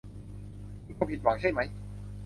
คุณคงผิดหวังใช่ไหม